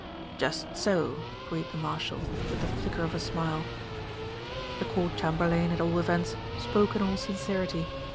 "Just so," agreed the Marshal, with the flicker of a smile. The Court Chamberlain, at all events, spoke in all sincerity.